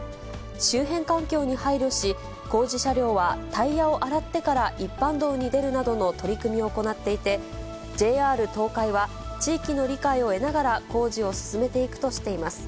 周辺環境に配慮し、工事車両はタイヤを洗ってから一般道に出るなどの取り組みを行っていて、ＪＲ東海は、地域の理解を得ながら工事を進めていくとしています。